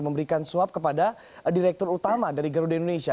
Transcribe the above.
memberikan suap kepada direktur utama dari garuda indonesia